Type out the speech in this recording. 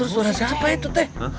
suara siapa itu teh